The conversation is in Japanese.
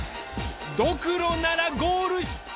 ドクロならゴール失敗。